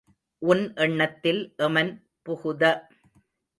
உன் எண்ணத்தில் எமன் புகுத.